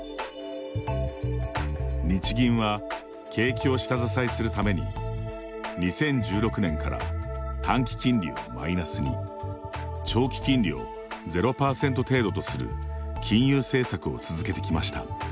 日銀は、景気を下支えするために２０１６年から短期金利をマイナスに長期金利を０％程度とする金融政策を続けてきました。